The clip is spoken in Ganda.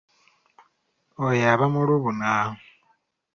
Oyo aba mulubuna.